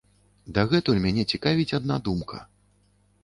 Дагэтуль мяне цікавіць адна думка.